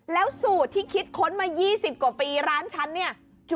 แล้วสูตรที่คิดค้นมา๒๐กว่าปีร้านฉันเนี่ย